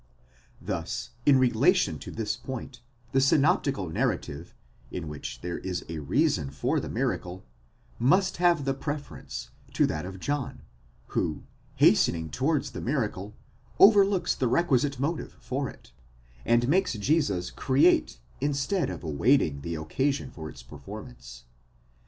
'Thus in relation to this point, the synoptical narrative, 'in which there is a reason for the miracle, must have the preference to that of John, who, hastening towards the miracle, overlooks the requisite motive for it, and makes Jesus create instead of awaiting the occasion for its perform _ance.